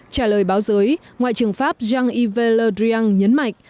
trả lời báo giới ngoại trưởng pháp jean yves le drian nhấn mạch